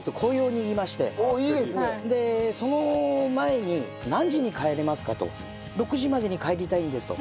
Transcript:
でその前に「何時に帰れますか？」と。「６時までに帰りたいんです」と。